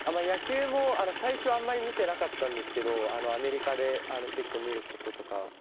野球も最初、あんまり見てなかったんですけどアメリカで結構見ることとか。